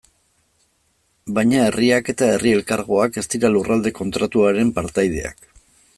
Baina herriak eta herri elkargoak ez dira Lurralde Kontratuaren partaideak.